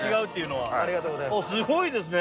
もうすごいですね。